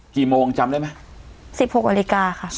กี่โมงจำได้ไหม๑๖นาฬิกาค่ะ